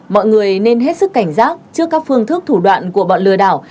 mọi người nên hết sức cảnh giác trước các phương thức thủ đoạn của bọn lừa đảo